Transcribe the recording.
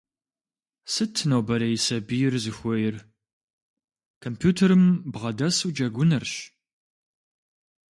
Сыт нобэрей сабийр зыхуейр? Компьютерым бгъэдэсу джэгунырщ.